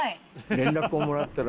連絡をもらったら。